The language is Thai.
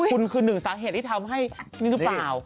คุณคือหนึ่งสาเหตุที่ทำให้นี่หรือเปล่า